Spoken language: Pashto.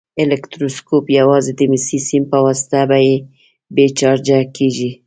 الکتروسکوپ یوازې د مسي سیم په واسطه بې چارجه کیږي.